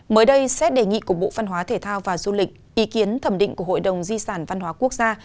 mới đây xét đề nghị của bộ văn hóa thể thao và du lịch ý kiến thẩm định của hội đồng di sản văn hóa quốc gia